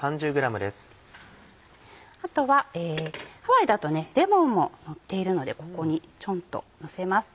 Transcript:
あとはハワイだとレモンものっているのでここにちょんとのせます。